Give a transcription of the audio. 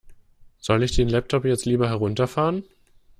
Soll ich den Laptop jetzt lieber herunterfahren?